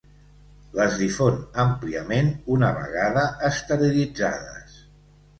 Les difon àmpliament una vegada esterilitzades.